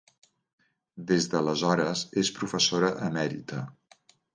Des d'aleshores és professora emèrita.